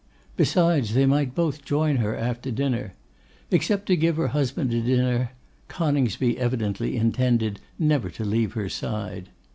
Besides, they might both join her after dinner. Except to give her husband a dinner, Coningsby evidently intended never to leave her side.